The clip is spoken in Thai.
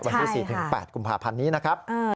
วันที่๔๘กุมภาพันธ์นี้นะครับ